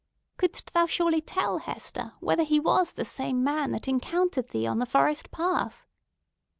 Couldst thou surely tell, Hester, whether he was the same man that encountered thee on the forest path?"